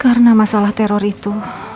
karena masalah teror itu